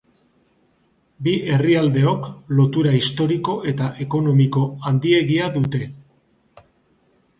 Bi herrialdeok, lotura historiko eta ekonomiko handiegia dute.